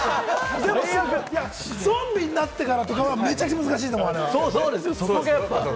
ゾンビになってからとか、めちゃくちゃ難しいと思う。